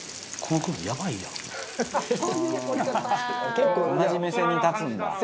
「ああー」「同じ目線に立つんだ」